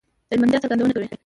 د ژمنتيا څرګندونه کوي؛